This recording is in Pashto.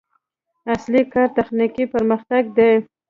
اصلي کار تخنیکي پرمختګ دی.